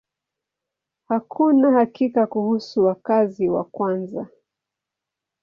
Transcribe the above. Hakuna hakika kuhusu wakazi wa kwanza.